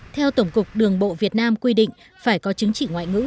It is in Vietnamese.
theo tổng cục đường bộ việt nam quy định phải có chứng chỉ ngoại ngữ